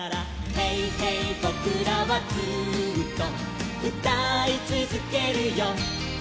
「ＨＥＹ！ＨＥＹ！ぼくらはずっとうたいつづけるよ」